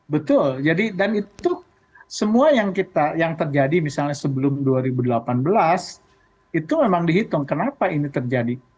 betul jadi dan itu semua yang terjadi misalnya sebelum dua ribu delapan belas itu memang dihitung kenapa ini terjadi